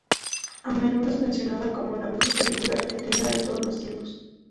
A menudo es mencionada como la mejor película argentina de todos los tiempos.